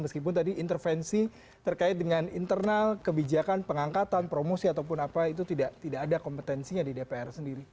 meskipun tadi intervensi terkait dengan internal kebijakan pengangkatan promosi ataupun apa itu tidak ada kompetensinya di dpr sendiri